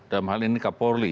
dalam hal ini kapolri